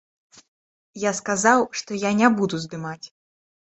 Я сказаў, што я не буду здымаць.